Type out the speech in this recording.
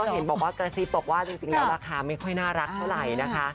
ใช่ก็เห็นบอกว่าเกษีปตกว่าจริงแล้วราคาไม่ค่อยน่ารักเท่าไหร่นะคะ